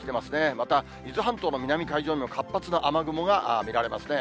また伊豆半島の南海上にも活発な雨雲が見られますね。